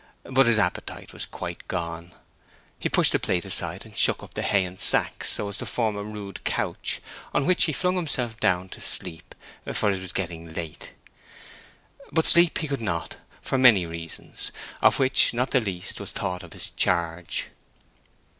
But his appetite was quite gone. He pushed the plate aside, and shook up the hay and sacks, so as to form a rude couch, on which he flung himself down to sleep, for it was getting late. But sleep he could not, for many reasons, of which not the least was thought of his charge.